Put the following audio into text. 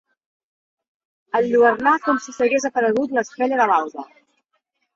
Enlluernar com si s'hagués aparegut l'estrella de l'alba.